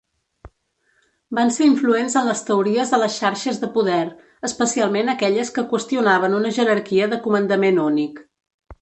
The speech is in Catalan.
Van ser influents en les teories de les xarxes de poder, especialment aquelles que qüestionaven una jerarquia de comandament únic.